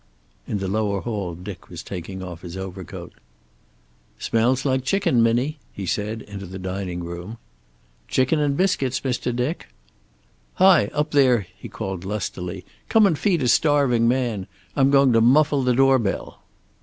In the lower hall Dick was taking off his overcoat. "Smell's like chicken, Minnie," he said, into the dining room. "Chicken and biscuits, Mr. Dick." "Hi, up there!" he called lustily. "Come and feed a starving man. I'm going to muffle the door bell!"